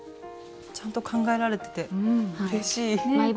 ちゃんと考えられててうれしい！